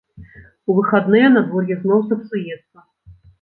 У выхадныя надвор'е зноў сапсуецца.